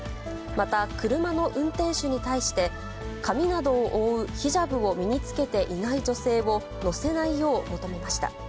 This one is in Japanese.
また、車の運転手に対して、髪などを覆うヒジャブを身に着けていない女性を乗せないよう求めました。